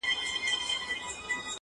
اوښـكه د رڼـــا يــې خوښــــه ســـوېده.